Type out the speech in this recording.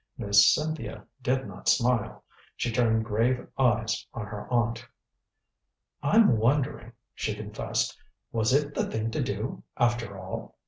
Miss Cynthia did not smile. She turned grave eyes on her aunt. "I'm wondering," she confessed. "Was it the thing to do, after all?